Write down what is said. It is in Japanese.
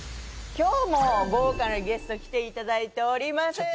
今日も豪華なゲスト来ていただいております。